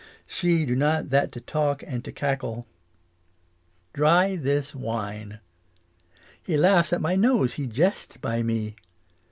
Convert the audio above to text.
She do not that to talk and to cackle. Dry this wine. He laughs at my nose, he jest by me.